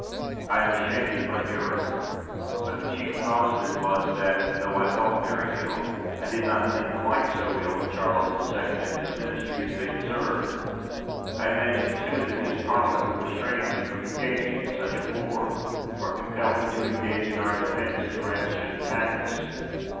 De Witt. I am ashamed of my error; but the chief cause of it was that, though I thought very ill, I did not think quite so ill of Charles II. and his Ministry as they deserved. I imagined, too, that his Parliament would restrain him from engaging in such a war, or compel him to engage in our defence if France should attack us.